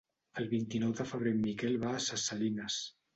El vint-i-nou de febrer en Miquel va a Ses Salines.